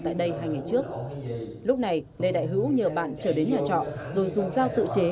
tại đây hai ngày trước lúc này lê đại hữu nhờ bạn trở đến nhà trọ rồi dùng dao tự chế